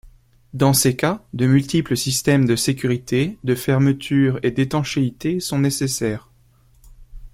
Dans ces cas, de multiples systèmes de sécurité, de fermeture et d'étanchéité sont nécessaires.